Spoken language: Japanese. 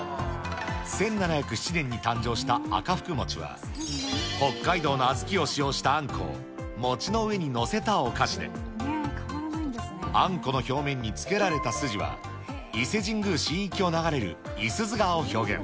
１７０７年に誕生した赤福餅は、北海道の小豆を使用したあんこを餅の上に載せたお菓子で、あんこの表面につけられた筋は、伊勢神宮神域を流れる五十鈴川を表現。